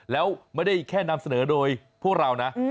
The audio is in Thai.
แล้วไม่ได้แค่นำเสนอโดยพวกเรานะ